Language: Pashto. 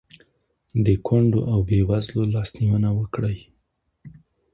د کونډو او بېوزلو لاسنیوی وکړئ.